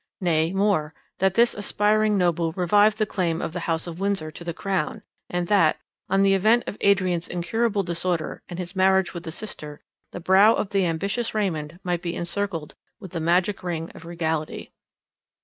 Nay, more, that this aspiring noble revived the claim of the house of Windsor to the crown, and that, on the event of Adrian's incurable disorder and his marriage with the sister, the brow of the ambitious Raymond might be encircled with the magic ring of regality.